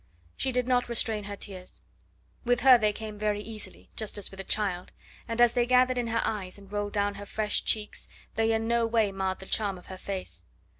She did not restrain her tears; with her they came very easily, just as with a child, and as they gathered in her eyes and rolled down her fresh cheeks they in no way marred the charm of her face.